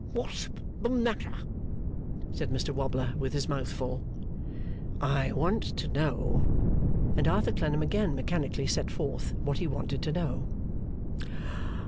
'What's the matter?' then said Mr Wobbler, with his mouth full. 'I want to know ' and Arthur Clennam again mechanically set forth what he wanted to know.